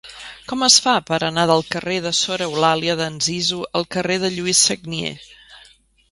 Com es fa per anar del carrer de Sor Eulàlia d'Anzizu al carrer de Lluís Sagnier?